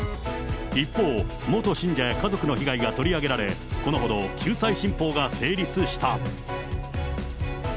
一方、元信者や家族の被害が取り上げられ、このほど、救済新法が成立した。